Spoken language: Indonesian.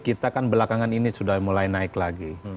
kita kan belakangan ini sudah mulai naik lagi